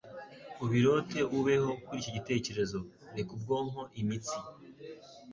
ubirote, ubeho kuri icyo gitekerezo. Reka ubwonko, imitsi,